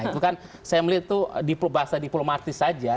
itu kan saya melihat itu bahasa diplomatis saja